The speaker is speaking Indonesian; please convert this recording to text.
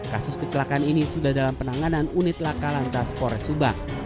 kasus kecelakaan ini sudah dalam penanganan unit lakalan transport subah